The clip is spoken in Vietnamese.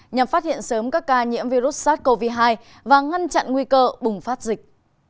nhằm phát hiện sớm các ca nhiễm virus sars cov hai và ngăn chặn nguy cơ bùng phát dịch